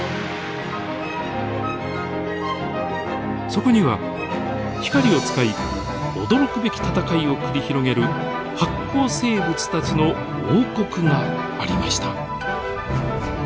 そこには光を使い驚くべき戦いを繰り広げる発光生物たちの王国がありました。